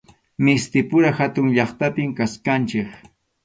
Mistipura hatun llaqtapim kachkanchik.